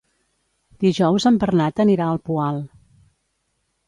Dijous en Bernat anirà al Poal.